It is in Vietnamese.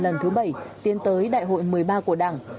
lần thứ bảy tiến tới đại hội một mươi ba của đảng